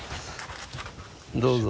どうぞ。